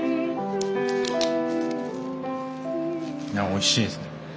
おいしいですね。